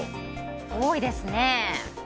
多いですね。